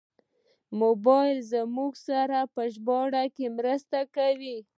موبایل له موږ سره په ژباړه کې مرسته کوي.